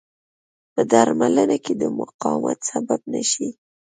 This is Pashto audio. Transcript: په درملنه کې د مقاومت سبب نه شي.